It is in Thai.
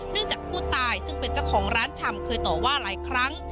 จากผู้ตายซึ่งเป็นเจ้าของร้านชำเคยต่อว่าหลายครั้ง